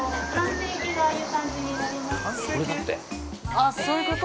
◆あ、そういうこと！？